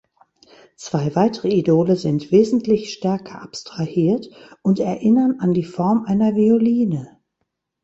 Zwei weitere Idole sind wesentlich stärker abstrahiert und erinnern an die Form einer Violine.